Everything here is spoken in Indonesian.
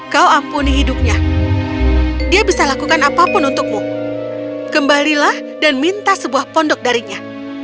kau ampuni hidupnya dia bisa lakukan apapun untukmu kembalilah dan minta sebuah pondok darinya